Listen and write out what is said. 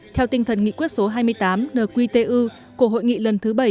theo tinh thần nghị quyết số hai mươi tám nqtu của hội nghị lần thứ bảy